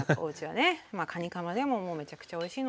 かにかまでももうめちゃくちゃおいしいので。